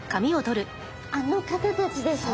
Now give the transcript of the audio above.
あの方たちですね。